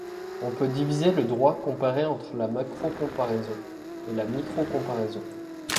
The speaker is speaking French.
On peut diviser le droit comparé entre la macrocomparaison et la microcomparaison.